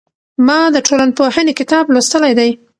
ما د ټولنپوهنې کتاب لوستلی دی.